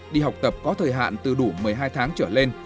đi học tập có thời hạn từ đủ một mươi hai tháng trở lên